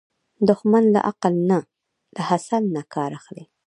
دښمن له عقل نه، له حسد نه کار اخلي